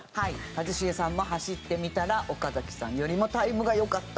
一茂さんも走ってみたら岡崎さんよりもタイムが良かった。